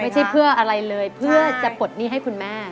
ไม่ใช่เพื่ออะไรเลยเพื่อจะปลดหนี้ให้คุณแม่